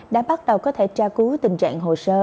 đã bắt đầu có thể tra cứu tình trạng hồ sơ